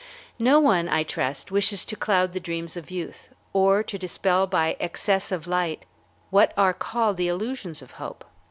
No one, I trust, wishes to cloud the dreams of youth, or to dispel by excess of light what are called the illusions of hope.